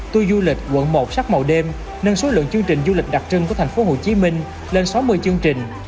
tour du lịch quận một sắp màu đêm nâng số lượng chương trình du lịch đặc trưng của thành phố hồ chí minh lên sáu mươi chương trình